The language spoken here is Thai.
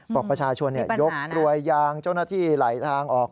บอกประชาชนยกรวยยางเจ้าหน้าที่ไหลทางออก